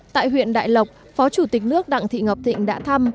tại huyện đại lộc phó chủ tịch nước đặng thị ngọc thịnh đã thăm